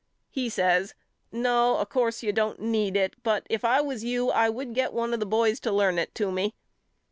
He says No of course you don't need it but if I was you I would get one of the boys to learn it to me.